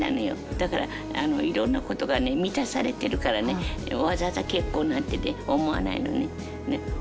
だから、いろんなことが満たされてるからね、わざわざ結婚なんてね、思わないのね。